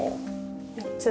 ３つ。